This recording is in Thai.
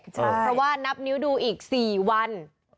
เพราะว่านับนิ้วดูอีก๔วัน